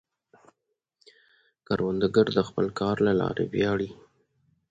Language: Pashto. کروندګر د خپل کار له لارې ویاړي